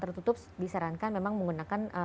tertutup disarankan memang menggunakan